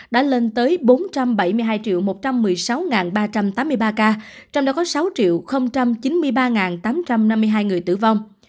đã lên tới bốn trăm bảy mươi hai một trăm một mươi sáu ba trăm tám mươi ba ca trong đó có sáu chín mươi ba tám trăm năm mươi hai người tử vong